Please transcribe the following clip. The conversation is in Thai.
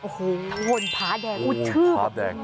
โอ้โฮโทนพาแดงโอ้โฮพาแดง